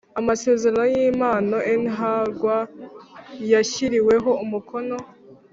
Amasezerano y impano n h rw yashyiriweho umukono